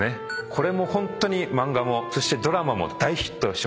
これもホントに漫画もそしてドラマも大ヒットしました。